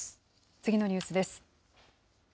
次のニュースです。